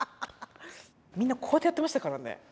みんなこうやってやってましたからね。